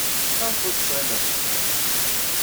Maɣef ur tettɣimiḍ cwiṭ?